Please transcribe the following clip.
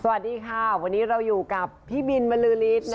สวัสดีค่ะวันนี้เราอยู่กับพี่บินบรรลือรีดนะครับ